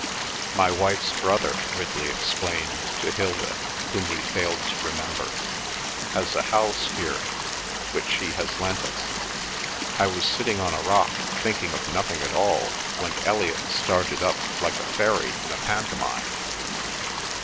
"My wife's brother," Ridley explained to Hilda, whom he failed to remember, "has a house here, which he has lent us. I was sitting on a rock thinking of nothing at all when Elliot started up like a fairy in a pantomime."